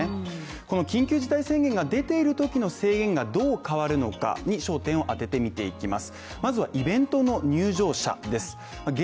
この緊急事態宣言が出ているときの制限がどう変わるのかに焦点を当てて見ていきます。